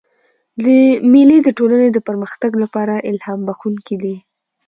مېلې د ټولني د پرمختګ له پاره الهام بخښونکي دي.